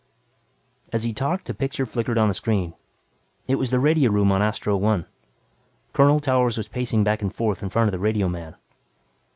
As he talked a picture flickered on the screen. It was the radio room on Astro One. Colonel Towers was pacing back and forth in front of the radioman.